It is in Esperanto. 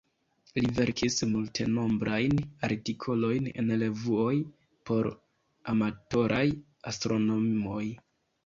Li verkis multenombrajn artikolojn en revuoj por amatoraj astronomoj.